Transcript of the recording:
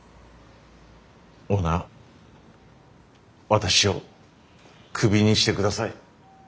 オーナー私をクビにしてください。